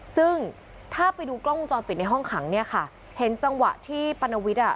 ซึ่งถ้าไปดูกล้องวงจรปิดในห้องขังเนี่ยค่ะเห็นจังหวะที่ปรณวิทย์อ่ะ